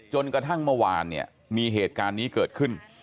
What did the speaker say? จนกระทั่งเมื่อวานเนี่ยมีเหตุการณ์นี้เกิดขึ้น